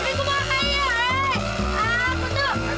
marie yang betul yang benar